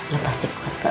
lo pasti kuat kak